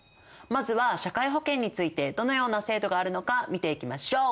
まずは社会保険についてどのような制度があるのか見ていきましょう。